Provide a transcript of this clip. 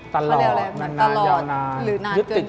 ตลอด